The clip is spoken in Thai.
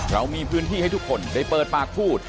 เรามีพื้นที่ให้ทุกคนได้เปิดปากพูด